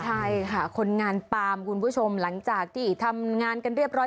ใช่ค่ะคนงานปาล์มคุณผู้ชมหลังจากที่ทำงานกันเรียบร้อย